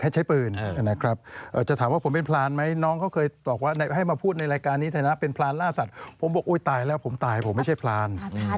ใช้ปืนนะครับจะถามว่าผมเป็นพรานไหมน้องเขาเคยบอกว่าให้มาพูดในรายการนี้ฐานะเป็นพรานล่าสัตว์ผมบอกอุ๊ยตายแล้วผมตายผมไม่ใช่พราน